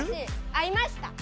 会いました。